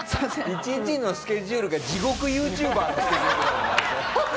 １日のスケジュールが地獄ＹｏｕＴｕｂｅｒのスケジュール。